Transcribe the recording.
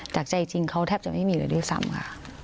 จากใจจริงเขาแทบจะไม่มีแรงเรื่อยซ้ำค่ะ